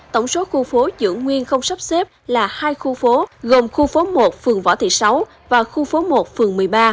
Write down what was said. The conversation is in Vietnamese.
tổng số khu phố dưỡng nguyên không sắp xếp là hai khu phố gồm khu phố một phường võ thị sáu và khu phố một phường một mươi ba